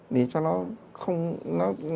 để cho nó